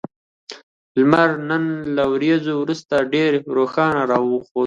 لمر نن له وريځو وروسته ډېر روښانه راوخوت